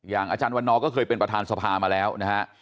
อาจารย์วันนอร์ก็เคยเป็นประธานสภามาแล้วนะฮะ